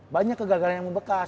banyak kegagalan yang membekas